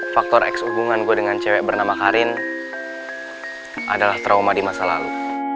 faktor eks hubungan gue dengan cewek bernama karin adalah trauma di masa lalu